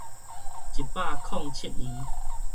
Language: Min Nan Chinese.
一百空七年